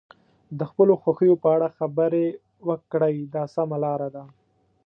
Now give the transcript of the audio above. د خپلو خوښیو په اړه خبرې وکړئ دا سمه لاره ده.